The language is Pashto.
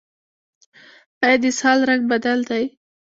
ایا د اسهال رنګ بدل دی؟